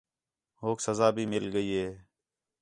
ہوک سزا بھی مِل ڳئی ہے